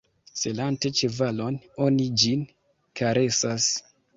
Selante ĉevalon, oni ĝin karesas.